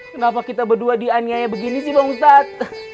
kenapa kita berdua dianiaya begini sih bang ustaz